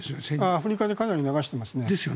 アフリカでかなり流していますね。